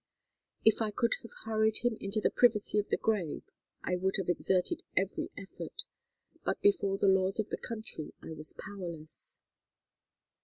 If I could have hurried him into the privacy of the grave I would have exerted every effort, but before the laws of the country I was powerless.